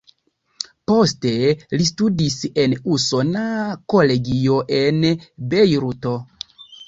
Poste li studis en Usona Kolegio en Bejruto.